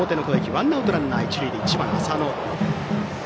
ワンアウトランナー、一塁で１番、浅野。